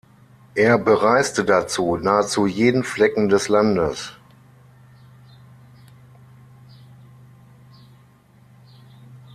Er bereiste dazu nahezu jeden Flecken des Landes.